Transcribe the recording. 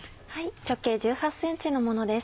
直径１８ｃｍのものです。